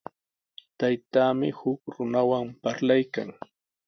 Taytaami huk runawan parlaykan.